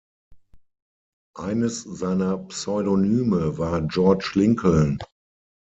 Eines seiner Pseudonyme war "George Lincoln"